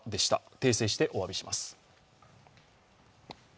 訂正してお詫びします。